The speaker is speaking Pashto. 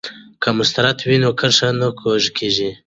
که مسطر وي نو کرښه نه کوږ کیږي.